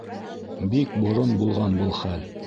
Бик борон булған хәл был.